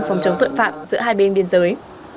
phòng chống tội phạm giữa hai bên biên giới